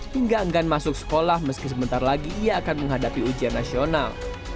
hingga enggan masuk sekolah meski sebentar lagi ia akan menghadapi ujian nasional